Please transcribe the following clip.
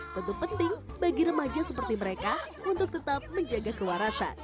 tentu penting bagi remaja seperti mereka untuk tetap menjaga kewarasan